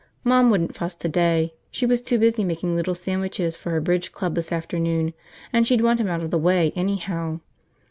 Mom wouldn't fuss today. She was too busy making little sandwiches for her bridge club this afternoon, and she'd want him out of the way anyhow.